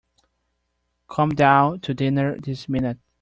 Come down to dinner this minute.